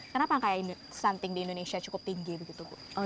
kenapa angka stunting di indonesia cukup tinggi begitu bu